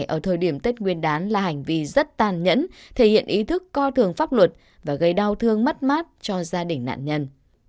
ở thời điểm tết nguyên đán là hành vi rất tàn nhẫn thể hiện ý thức coi thường pháp luật và gây đau thương mất mát cho gia đình nạn nhân